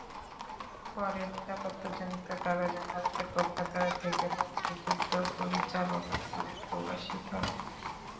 পরে নিরাপত্তাজনিত কারণে ভারতের কলকাতা থেকে মুক্তিযুদ্ধ পরিচালনা করে প্রবাসী সরকার।